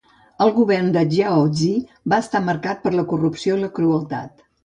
El govern de Xiao Zi va estar marcat per la corrupció i la crueltat.